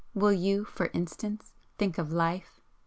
Will you, for instance, think of Life?